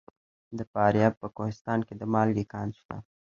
د فاریاب په کوهستان کې د مالګې کان شته.